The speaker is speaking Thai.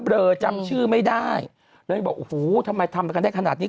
เลอจำชื่อไม่ได้เลยบอกโอ้โหทำไมทำกันได้ขนาดนี้